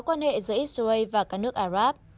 hóa quan hệ giữa israel và các nước ả ráp